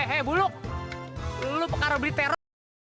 hei buluk lu pengaruh beli terok